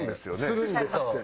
するんですって。